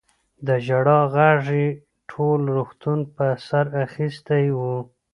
د ژړا غږ يې ټول روغتون په سر اخيستی و.